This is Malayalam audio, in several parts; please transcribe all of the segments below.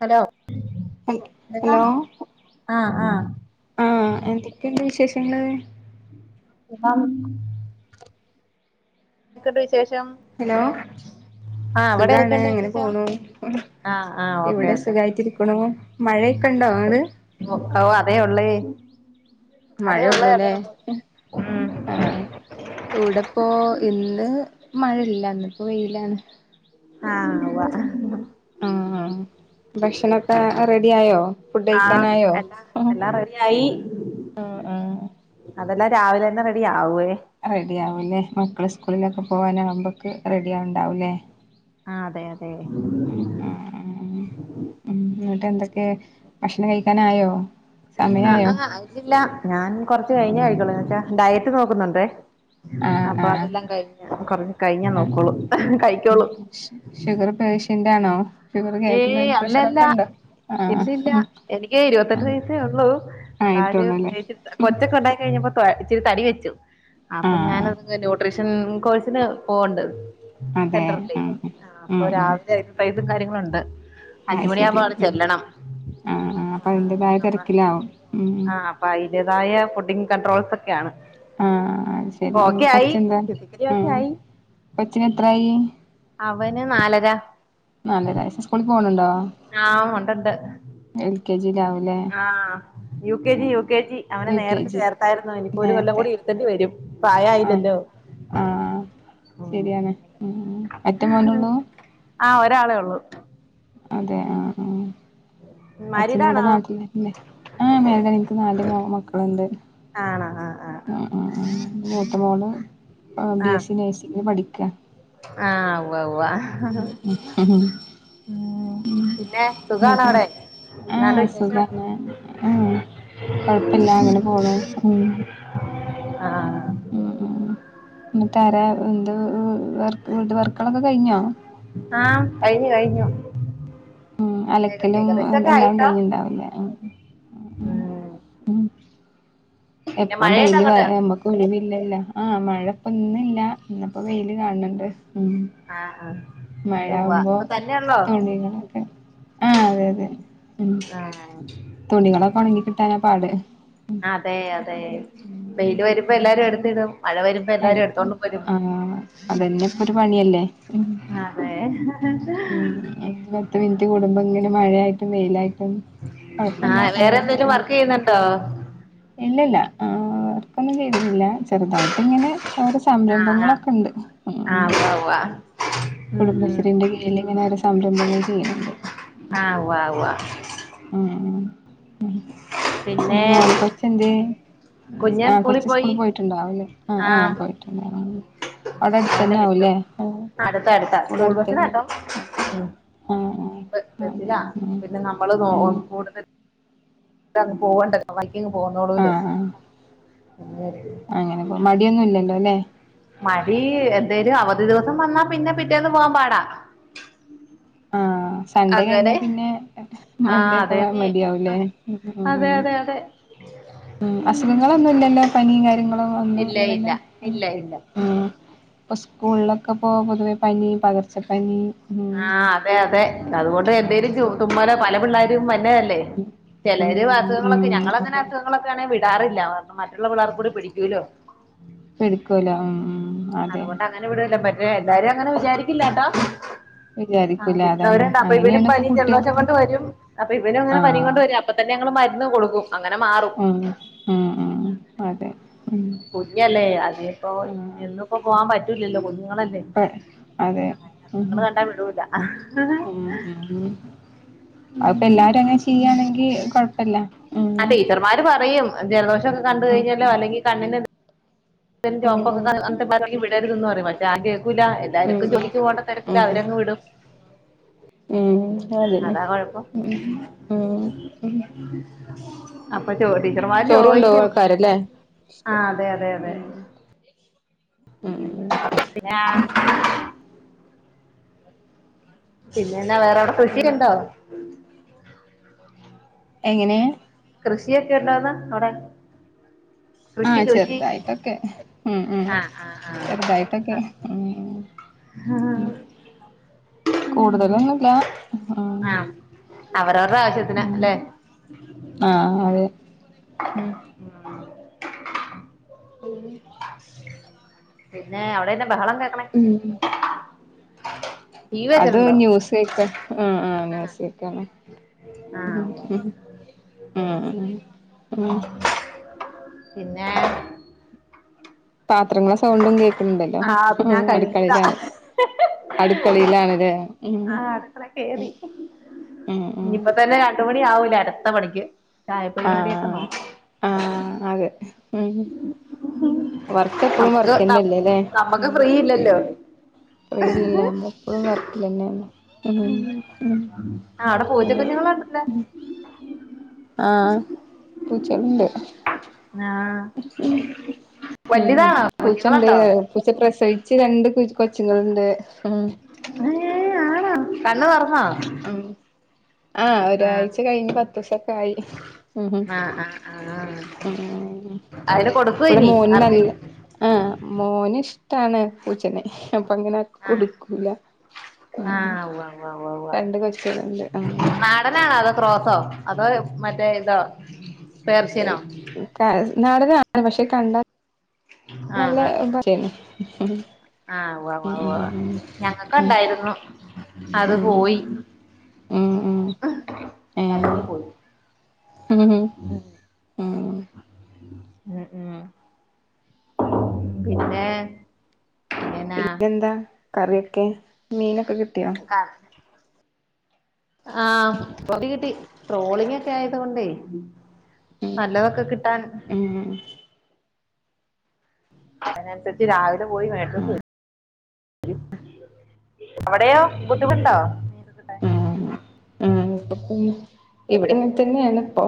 ഹലോ ഹ ഹലോ കേൾക്കാമോ ആഹ് ആഹ് ആഹ് എന്തൊക്കെയോണ്ട് വിശേഷങ്ങള് സുഖം എന്തക്കെണ്ട് വിശേഷം ഹലോ ആഹ് അവിടെ സുഖാണ് എന്തൊക്കെയുണ്ട് ങ്ങനെ വിശേഷം പോണു ആഹ് ആഹ് ഓക്കെ ഇവിടെ ഓക്കെ സുഖമായിട്ടിരിക്കണു മഴക്കെ ഇണ്ടോ അങ്ങട് ഓഹ് അതേ ഒള്ളേയ് മഴേ ഉള്ളൂല്ലേ ഉം ആഹ് ഇവിടെപ്പോ ഇന്ന് മഴല്ല ഇന്ന്പ്പോ വെയിലാണ് ആഹ് ഉവ്വ ആഹ് ഭക്ഷണൊക്കെ റെഡി ആയോ ഫുഡ് ആഹ് കഴിക്കാനായോ? എല്ലാം എല്ലാം റെഡി ആയി ആഹ് അതെല്ലാം രാവിലെ തന്നെ റെഡി ആവോ റെഡി ആവൂലേ മക്കള് സ്കൂളിലൊക്കെ പോവാനാകുമ്പക്ക് റെഡി ആവുണ്ടാവൂല്ലേ ആഹ് അതെ അതെ ആഹ് ആഹ് ഉം എന്നിട്ട് എന്തൊക്കെ ഭക്ഷണം കഴിക്കാനായോ? അ സമയായോ ആഹ് ആയിട്ടില്ല ഞാൻ കൊറച്ച് കഴിഞ്ഞെ കഴിക്കോളൂ ന്നെച്ചാ ഡയറ്റ് നോക്കുന്നുണ്ടേ ആഹ് അപ്പൊ ആഹ് അതെല്ലാം കഴിഞ്ഞ കൊറഞ്ഞ കഴിഞ്ഞ ആഹ് നോക്കോളൂ കഴിക്കോളൂ എന്റാണോ ഏയ് അല്ലല്ല ആഹ് ഇല്ലല്ല ഉം എനിക്ക് ഇരുപത്തെട്ട് വയസേ ഉള്ളു എന്നാല് ആയിട്ടുള്ളൂല്ലേ വീട്ടി കൊച്ചൊക്കെയുണ്ടായി കഴിഞ്ഞപ്പം കൊ ഇച്ചിരി തടി വെച്ചു അപ്പൊ ആഹ് ഞാനൊന്ന് ന്യൂട്രിഷ ൻ കോഴ്സിന് പോവണ്ട് അതെ സെന്ററിലേ ഉം അപ്പൊ ഉം രാവിലെ സൈസും കാര്യങ്ങളുണ്ട് അഹ് ശരി അഞ്ചുമണിയാകുമ്പോ അവിടെ ഉം ചെല്ലണം ആ ആഹ് അപ്പൊ ആ അതിന്റെതായ തിരക്കിലാവും ഉം അപ്പം അയ്ന്റെതായ ഫുഡിങ്ങ് കൺട്രോൾസ് ഒക്കെയാണ് ആഹ് അഹ് ശരി ഓക്കെ ആയി കൊച്ചെന്താ ഫിസിക്കലി ഒക്കെ ഉം ആയി കൊച്ചിനെത്രായി അവന് നാലര നാലര വയസ്സ് സ്കൂളിൽ പോണുണ്ടോ ആ ഉണ്ടുണ്ട് എൽകെ ജിയിലാവൂലേ ആഹ് യുകെജി അത് യുകെജി അവനെ യു കെ നേരത്തെ ജി ചേർത്തായിരുന്നു ഇനിപ്പോ ഒരു കൊല്ലം കൂടി ഇരുത്തേണ്ടി വരും ആഹ് പ്രായായില്ലല്ലോ ആഹ് ശരിയാണ് മ്മ് ഒറ്റ മോനൊള്ളു ആഹ് ഒരാളെ ഉള്ളൂ അതെ ആഹ് ആഹ് അച്ഛൻ മാരീഡ് ഇവിടെ ആണോ നാട്ടില്ലന്നെ ആ മേ എനിക്ക് നാല് മക്കളുണ്ട് ആണാ ആഹ് ആഹ് ആഹ് ആഹ് ആഹ് മൂത്തമോള് ബി എസ് സി ആഹ് നഴ്സിംഗിന് പഠിക്ക ആഹ് ഉവ്വ ഉവ്വ മ്മ്ഹ് മ്മ്ഹ് ഉം പിന്നെ സുഖാണാവിടെ ആഹ് സുഖാണ് ആ കൊഴപ്പില്ല അങ്ങനെ പോണ് ഉം ആഹ് ഉം [unintelligible] വ വർക്കളൊക്കെ കഴിഞ്ഞോ ആഹ് കഴിഞ്ഞു കഴിഞ്ഞു ഉം ഏക അലക്കലും ഏകദേശൊക്കെ അതെല്ലാം ആയിട്ടോ കഴിഞ്ഞിണ്ടാവില്ലേ ഉം ഉം പിന്നെ എപ്പഴും മഴയുണ്ടോ ഡെയിലി വ അങ്ങോട്ട് നമ്മക്ക് ഒഴിവില്ലല്ലോ ആഹ് മഴ ഇപ്പം ഇന്നില്ല ഇന്നിപ്പ വെയില് കാണണുണ്ട് ആഹ് ആഹ് ഉവ്വ മഴാകുമ്പോ ഇപ്പൊ തന്നെയുള്ളോ തുണികളൊക്കെ ആഹ് അതെ അതെ ഉം ആഹ് തുണികളൊക്കെ ഒണങ്ങി കിട്ടാനാ പാട് അതെയതെ വെയില് വരുമ്പ എല്ലാരും എടുത്തിടും മഴ വരുമ്പ എടുത്ത് ആഹ് അതെന്നെ ഇപ്പൊരു പണിയല്ലേ ഏഹ് അഞ്ചു പത്ത് മിനിറ്റ് കൂടുമ്പോ ഇങ്ങനെ മഴയായിട്ടും വെയിലായിട്ടും ആ കൊഴപ്പല്ല വേറെ അങ്ങനെ എന്തേലും വർക്ക് പോണണ്ട് ചെയ്യുന്നുണ്ടോ ഇല്ലല്ല ആ വർക്കൊന്നും ചെയ്തിട്ടില്ല ചെറുതായിട്ടിങ്ങനെ വേറെ ആഹ് ആഹ് സംരംഭങ്ങളൊക്കെ ഉണ്ട് ആഹ് ഉവ്വ ഉവ്വ ഉം ഉം കുടുംബശ്രീന്റെ കീഴിലിങ്ങനെ ഓരോ സംരംഭങ്ങൾ ചെയ്യണ് ണ്ട് ആഹ് വ്വാവ്വാ മ്മ് മ്മ് മ്മ് പിന്നെ എന്നിട്ടും മോൻ കൊച്ചെന്തേ കുഞ്ഞൻ ആഹ സ്കൂളിൽ കൊച്ച് സ്കൂള് പോയി പോയിട്ടുണ്ടാവില്ലേ ആ ആഹ് പോയിട്ടുണ്ടാവ അവിടെ അടുത്ത് അവനെ തന്നെ വിട്ടു ആവൂലേ അടുത്ത അടുത്താ സ്കൂള സ്കൂൾ അടുത്ത് തന്നെ വത്തില പിന്നെ നമ്മള് ഉം [unintelligible] അങ്ങ് പോണ്ടക്ക വയ്യങ്ങ് ആ പോവുന്നോളൂര് ആ അങ്ങേര് മടിയന്നുല്ലല്ലോ അല്ലെ മടി എന്തായാലും അവധി ദിവസം വന്നാ പിന്നെ പിറ്റേന്ന് പോകാൻ പാടാ ആഹ് സൺഡേ കഴിഞ്ഞാ അങ്ങനെ പിന്നെ ആഹ് മൺണ്ടേ ഒക്കെ അതന്നെ മതിയാവൂലേ അതെ അതെ അതെ അസുഖങ്ങളൊന്നും ഇല്ലല്ലോ പനിയും കാര്യങ്ങളോ ഒന്നും ഇല്ല ഇല്ല ഇല്ലല്ലോ ഇല്ല ഇല്ല ഉം ഇപ്പ സ്കൂളിലൊക്കെ പോ പൊതുവേ പനി പകർച്ചപ്പനി ഉം ആഹ് അതെ അതെ അതുകൊണ്ട് എന്തേലും തുമ്മലോ പല പിള്ളേരും വന്നെ ല്ലേ ഉം ചിലര് ഉം അസുഖങ്ങളൊക്കെ ഞങ്ങളങ്ങനെ അതെ അസു ഖങ്ങളക്കെ ആണെ വിടാറില്ല കാരണം മറ്റുള്ള പിള്ളേർക്ക് കൂടി പിടിക്കൂല്ലോ പിടിക്കൂലോ ഉം അതെ അങ്ങെ വിടല്ല പറ്റ എല്ലാരും അങ്ങനെ വിചാരിക്കില്ലാട്ടോ ആ വിചാരിക്കൂല അതാണ് വിടുന്നവരുണ്ട് അപ്പൊ ഇവനും അങ്ങനെയാണ് ഇപ്പൊ പനി ജലദോശം കുട്ടികൾക്ക് കൊണ്ട് വരും അപ്പ ഇവനും ഇങ്ങനെ പനി ആഹ് കൊണ്ട് വരും അപ്പ തന്നെ ഞങൾ മരുന്ന് കൊടുക്കും അങ്ങനെ മാറും ഉ ഉം ഉം അതെ കുഞ്ഞല്ലേ അതിപ്പോ എന്നി ആഹ് ഇപ്പോ പോവാൻ പറ്റൂലല്ലോ കുഞ്ഞുങ്ങളല്ലേ അതെ അങ്ങനെ ഉ അസുഖങ്ങള് കണ്ടാ വിടൂല ഉ ഉ അത്പ്പ എല്ലാരും അങ്ങനെ ചെയ്യയാണെങ്കി കൊഴ് ആ ടീച്ചർമാര് പറയും ജലദോഷം ഒക്കെ കണ്ട് കഴിഞ്ഞാലോ ഉം അല്ലെങ്കിൽ കണ്ണിന് ഉം ഉം ന്ചുവപ്പ്ക്കൊ അത്തെ വിടരുത് എന്ന് പറയും പഷേ ആ കേക്കൂല എല്ലാവർക്കും ഉം ജോലിക്ക് പോണ്ട തരക്കിൽ ഉം അവരങ് വിടും ഉം അതന്നെ അതാ ഉ ഉം അ അപ്പോ ടീച്ചർമാര് ചോറുണ്ടോവും ചോദിക്കും ആൾക്കാരല്ലേ ആ അതെ അതെ അതെ ഉം ഉം ആ പിന്നെന്നാ വേറെവിടെ കൃഷിയ ഉണ്ടോ എങ്ങനെ കൃഷിയൊക്കെ ഉണ്ടന്ന അവിടെ ആഹ കൃഷി കൃഷി ചെറുതായിട്ടൊക്കെ ഉ ഉം ആ ആ ആ ചെറുതായിട്ടൊക്കെ ആഹ കൂടുതലൊന്നുമില്ല ഉം ആ അവരവരുടെ ആവശ്യത്തിന് ഉ അല്ലെ ആഹ അതെ ഉം ന്ന പിന്നെ അവിടെ എന്നാ ബഹളം കേക്ക്ണേ ഉം ടി വി അത് വെച്ചിട്ടുണ്ടോ ന്യൂസ് കേക്കാ ആ ആ ന്യൂസ് ക്കേക്കാണ് ആ ഉം ഉം പിന്നെ പാത്രങ്ങളെ സൗണ്ടും കേൾക്കണണ്ടല്ലോ ആ അത് ഞാൻ കഴിഞ്ഞതാ അടുക്കളിയിലാവൻ അടുക്കളയിലാണല്ലേ ഉം ഉം ഉം ഇപ്പ തന്നെ രണ്ടു മണി ആവല അടുത്ത പണിക്ക് ചായപരിപാടിയൊക്കെ ആഹ് നോ ആഹ് അതെ ഉം വർക്ക് എപ്പളും നമുക്ക് വർക്ക്ന്നല്ലേല്ലേ നമ്മക്ക് ഫ്രീ ഇല്ലല്ലോ അറിയില്ലല്ല അമ്മ എപ്പഴും വർക്കല്ലന്നെ ഉം ഉം ആ അവിടെ അത പൂച്ചക്കുഞ്ഞുങ്ങളുണ്ടല്ലേ ആഹ് പൂച്ചണ്ട് ആഹ് ഉം വലുതാണോ കുഞ്ഞുങ്ങളുണ്ടോ പൂച്ചണ്ട് പൂച്ച പ്രസവിച്ച് രണ്ട് കൊച്ചുങ്ങളുണ്ട് ആഹ് ഏഹ് ആണ കണ് തുറന്നോ ഉം ആഹ് ആ ഒരാഴ്ച കഴിഞ്ഞ് പത്ത് ദിവസം ആയി ഉം ആ ആ ആ ഉം അതിന് കൊടുക്കുവോ ഇവിടെ ഇനി മോൻ നല്ല ആർക്കേലും ആഹ് മോന് ഇഷ്ടാണ് പൂച്ചനെ അപ്പൊ അങ്ങനെ ആ കൊടുക്കൂല ആ [unintelligible] [unintelligible] രണ്ട് കൊച്ചുകളുണ്ട് ആ അതോ ക്രോസോ അതോ മറ്റേ ഇതോ പേർഷ്യനോ നാടനാണ് പക്ഷെ കണ്ടാ ആഹ് നല്ല ആഹ് [unintelligible] ആഹ് [unintelligible] ഞങ്ങൾക്ക് ഇണ്ടായിരുന്നു അത് പോയി ഉം ഉം ഉം ഏ എറങ്ങി പോയി [unintelligible] [unintelligible] ഉം ഉം ഉം പിന്നെ എന്നാ പിന്നെന്താ കറിയൊക്കെ മീനൊക്കെ കിട്ടിയോ ആഹ് ആഹ് പ കിട്ടി കിട്ടി ട്രോളിംഗ് ഒക്കെ ആയത് കൊണ്ടേ നല്ലതൊക്കെ കിട്ടാൻ ഉം അതിനനുസരിച്ച് രാവിലെ പോയി മേടിച്ചോണ്ട് വരും അവിടെയോ ബുദ്ധിമുണ്ടോ ആഹ് ആഹ് ഇപ്പ ഇവിടെങ്ങെ തന്നെയാണ് ഇപ്പൊ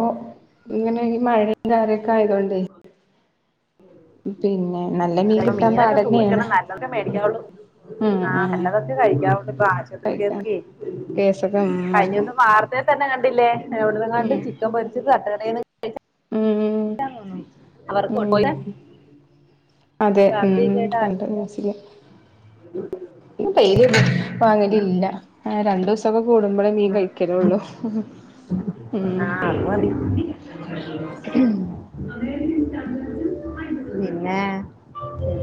ഇങ്ങനെ ഈ മഴന്താരൊക്കെ ആയത് കൊണ്ട് നല്ല മീൻ അത കിട്ടാൻ മീനൊക്കെ പാടന്നെയാണ് സൂക്ഷിക്കണം നല്ലതൊക്കെ മേടിക്കാവുള്ളൂ ഉം ആഹ് ഉം നല്ലതൊക്കെ കഴിക്കാവണ്ട് ഇപ്പൊ കഴിക്കാം ആശുപത്രിക്ക് കേസൊക്കെ ഉം കഴിഞ്ഞൊന്ന് മാ ഇ തന്നെ കണ്ടില്ലേ എവിട്ന്നങ്ങാണ്ട് ചിക്കൻ പൊരിച്ചത് തട്ടടയിന്ന് ഉം ഉം ഉം [unintelligible] അതെ ഉം ഛർദിയൊക്കെ ആയിട്ട് കണ്ട് അഡ്മിറ്റാണ് ന്യൂസില് [unintelligible] വാങ്ങലില്ല രണ്ട് ദിവസം [unintelligible] കൂടുമ്പോഴേ മീൻ ഉം. കഴിക്കലള്ളൂ ഉം ആ അത് മതി ഉം പിന്നെ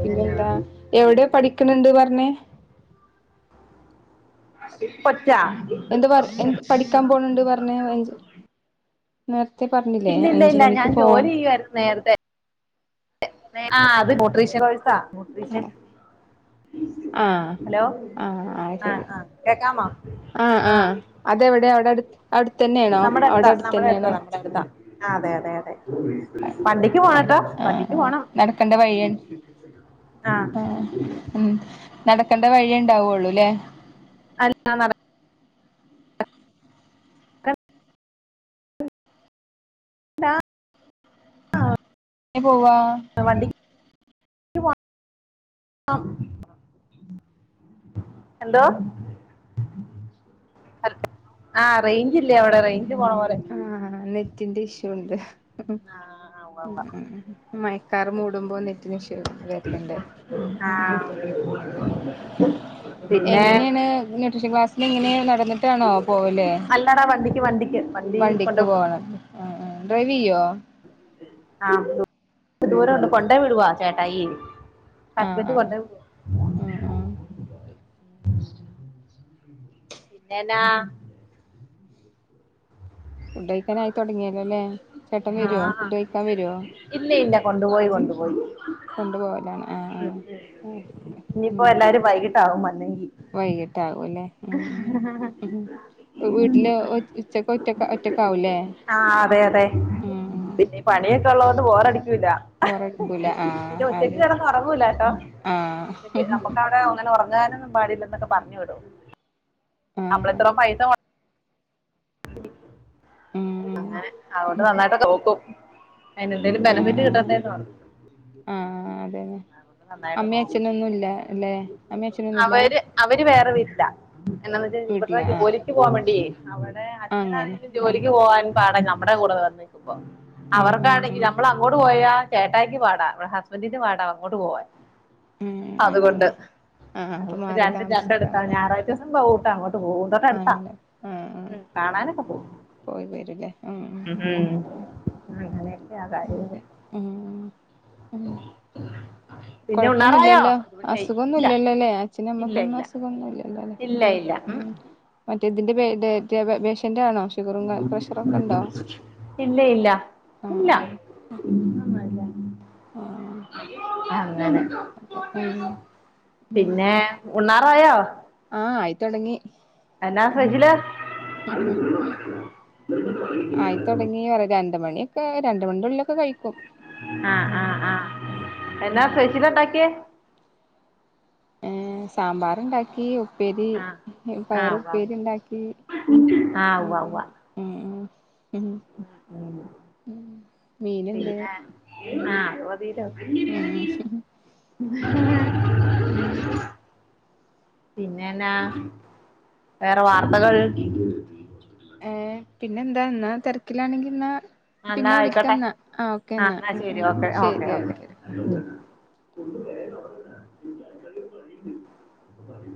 പിന്നെ എന്താ എവിടെ പഠിക്കണണ്ട് പറഞ്ഞേ കൊച്ചാ എന്ത് പറ എഹ് പഠിക്കാൻ പോണണ്ട് പറഞ്ഞ് നേരത്തെ പറഞ്ഞില്ലേ ഇല്ല ഇല്ല അഞ്ച് ഇല്ല മണിക്ക് ഞാൻ പോകണം [unintelligible] നേരത്തെ ആഹ് നൂട്രിഷൻ കോഴ്‌സാ നൂട്രിഷൻ ആഹ് ഹലോ ആഹ് അത് ആഹ് ശരി ആഹ് കേക്കാമ ആഹ് അതെ എവിടെ അവിടെ അടു അവിടു തന്നെയാണോ നമ്മുടെ അവിടെ അടുത്താ അടുത്ത് നമ്മുടെ അടുത്താ തന്നെയാണോ നമ്മുടെ അതെ അതെ അതെ വണ്ടിക്ക് ആഹ് പോണംട്ടോ വണ്ടിക്ക് ആഹ് പോണം നടക്കണ്ട വഴിയ ആഹ് ഉം നടക്കേണ്ട വഴിയെണ്ടാവുള്ളൂല്ലേ അല്ല നടക്ക നടക്കണ്ട ടാ എങ്ങനെ പോവാ വണ്ടിക് എന്തോ ഹ ലോ റേഞ്ച്ല്യ ഇവടെ റേഞ്ച് പോണപോലെണ്ട് ആഹ് നെറ്റിന്റെ ഇഷ്യൂണ്ട് ആഹ് ഉവ്വ ഉം ഉവ്വ ഉം മയക്കാർ മൂടുമ്പോ നെറ്റിന് ഇഷ്യൂ വെര്ലിണ്ട് ഉം ആഹ് ഉം പിന്നെ എങ്ങനെണ് ന്യൂട്ട്രീഷൻ ക്ലാസ്സിന് എങ്ങനെയ നടന്നിട്ടാണോ പോവല്? അല്ലടാ വണ്ടിക്ക് വണ്ടിക്ക് വണ്ടി കൊണ്ട വണ്ടിക്ക് വിടും പോവണത് ആഹ് ആഹ് ഡ്രൈവെയ്യോ? ആഹ് ദൂരംണ്ട് കൊണ്ടെയ് വിടുവാ ചേട്ടായി ഹസ്ബെന്റ് കൊണ്ടെവിടുവ അഹ് അഹ് ഏന്നാ ഫുഡ് കഴിക്കാനായി തുടങ്ങിയലോല്ലേ ചേട്ടൻ വെരോ ആഹ് ഫുഡ് കഴിക്കാം വെരോ ഇല്ല ഇല്ല കൊണ്ടുപോയി കൊണ്ടുപോയി കൊണ്ടു പോവലാണ് ആഹ് ആഹ് ഇനിയിപ്പോ എല്ലാരും വൈകിട്ടാവും വന്നെങ്കി വൈകിട്ടാകുലേ ഉം ഉം വീട്ട്ല് ഒറ്റക്ക് ഒറ്റക്ക് ഒറ്റക്കാവുലെ ആഹ് അതെ അതെ ഉം ഉം പിന്നെ ഈ പണിയൊക്കെ ഒള്ളോണ്ട് ബോറടിക്കൂല്ല ബോറടിക്കൂല പിന്നെ ആഹ് ഒറ്റയ്ക്ക് അതെ കെടന്ന് ഒറങ്ങൂലാട്ടോ ആഹ് ഉച്ചക്ക് നമ്മക്ക അങ്ങനെ ഒറങ്ങാനൊന്നും പാടില്ലന്നൊക്ക പർഞ്ഞ് വിടും ആഹ് നമ്മളെത്ര പൈസ മൊ ഉം അങ്ങനെ അതൊണ്ട് നന്നായിട്ടൊക്കെ നോക്കും അയ്നെന്തേലും ആഹ് ബെനഫിറ്റ് ആഹ് കിട്ടണ്ടേന്ന് പർഞ്ഞ് ആഹ് അതന്നെ അതോണ്ട് നന്നായിട്ട് അമ്മേ നോക്കും അച്ഛനൊന്നുല്ല അല്ലെ അമ്മേ അച്ഛനൊന്നുല്ല അവര് അവര് വേറെ വീട്ട്ല എന്നാന്ന് വെച്ചാ വീട്ടില ഇവര്ടെ ആഹ് ജോലിക്ക് പോവാൻ വേണ്ടിയേ അവടെ അങ്ങനെ അച്ഛനാണെങ്കി ആഹ് ജോലിക്ക് പോവാൻ പാട നമ്മുടെ കൂടെ വന്നേക്ക് മ്പോ ഉം ഉം അവർക്കാണെങ്കി ഉം ഞ നമ്മളങ്ങോട് പോയാ ചേട്ടായിക്ക് പാടാ വിടെ ഹസ്ബന്റിന് പാടാ അങ്ങോട്ട് പോവാൻ ഉം അതുകൊണ്ട് അങ്ങനെ ആഹ് അപ്പൊ അതുകൊണ്ട് മാറി രണ്ടും താമസിക്കാ രണ്ടടുത്ത ഉം ഞായറാ ദോസം പോവുംട്ടങ്ങോട്ട് പോകൂട്ടാ തൊട്ടെടുത്താ അങ്ങനെ ആഹ് ആഹ് ഉം കാണാനൊക്കെ പോവും പോയി വരുലേ ഉം ഉം ഉം അങ്ങനെയൊക്കെയാ കാര്യങ്ങള് അതെ ആഹ് ഉം പിന്നെ ഉണ്ണാറായോ കൊഴപ്പൊന്നുല്യല്ലോ ഒരു മണിയായി ഇല്ല അസുഖൊന്നുല്യല്ലലേ അച്ഛന ഇല്ല അമ്മക്കൊന്നും ഇല്ല അസുഖൊന്നുംല്ല്യല്ലോ ഇല്ല ഇല്ല ഉം മറ്റേ ഇതിന്റെ പേ ഡേറ്റാപേഷ്യന്റ് ആണോ? ഷുഗറും പ്രഷറൊക്കെ ഉണ്ടോ ഇല്ല ഇല്ല ഇല്ല ആഹ് ആഹ് അങ്ങനെ അതെ ഉം പിന്നെ ഉണ്ണാറായോ? ആഹ് ആയിത്തൊടങ്ങി എന്നാ സ്പെഷൽ ആയിത്തൊടങ്ങീറ്യ രണ്ട്മണിയൊക്കെ രണ്ട് മണിന്റെ ഉള്ളിലൊക്കെ കഴിക്കും ആഹ് ആഹ് ആഹ് എന്നാ സ്പെഷല്ണ്ടാക്ക്യേ? ഏഹ് സാമ്പാറ്ണ്ടാക്കി ഉപ് ഉപ്പേരി ആഹ് ആഹ് ഉവ്വ പയറുപ്പേരിണ്ടാക്കി ആഹ് ഉം ഉവ്വ ഉവ്വ ഉം ഉം ഉം ഉം മീന്ണ്ട് പിന്നെ ആ അതു മതീല്ലോ ഉം [inaudible] ഉം പിന്നെന്നാ വേറെ വാർത്തകൾ ഏഹ് പിന്നെ ന്താ ന്നാ തെരക്കിലാണെങ്കി ന്നാ എന്നാ പിന്നെ ആയിക്കോട്ടെ വിളിക്കന്നാ ആ ആഹ് ഓക്കെന്നാ എന്നാ ശരി ഉം ഓക്കെ ശരി ഓക്കെ ഉം [inaudible]